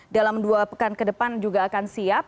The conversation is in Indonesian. dalam dua pekan kedepan juga akan siap